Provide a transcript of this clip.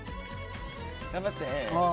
頑張って。